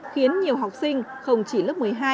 khiến nhiều học sinh không chỉ lớp một mươi hai